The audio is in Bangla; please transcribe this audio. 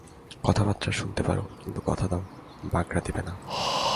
কথাবার্তা শুনতে পারো, কিন্তু কথা দাও, বাগড়া দেবে না।